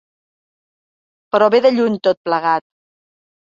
Però ve de lluny, tot plegat.